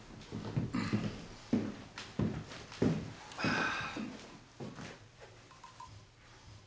ああ。